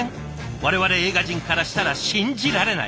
我々映画人からしたら信じられない！